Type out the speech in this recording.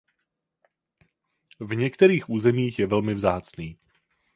V některých územích je velmi vzácný.